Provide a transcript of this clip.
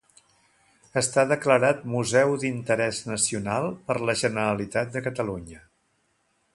Està declarat museu d'interès nacional per la Generalitat de Catalunya.